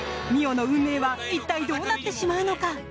澪の運命は一体どうなってしまうのか。